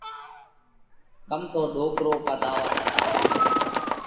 ڪم تو ڏوڪرو قڌ آور هتا۔